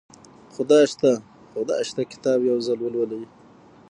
خدای شته خدای شته کتاب یو ځل ولولئ